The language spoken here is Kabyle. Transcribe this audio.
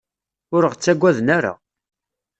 Ur ɣ-ttagaden ara.